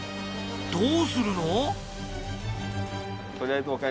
どうするの？